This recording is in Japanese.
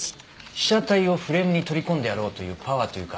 被写体をフレームに取り込んでやろうというパワーというか。